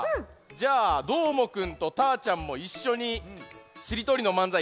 じゃあどーもくんとたーちゃんもいっしょにしりとりのまんざいやってみますか。